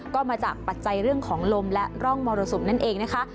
ก็มาจากปัจจัยเรื่องของลมและร่องมรสุมนั่นเองนะคะ